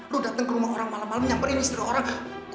lu dateng ke rumah orang malem malem nyamperin istri orang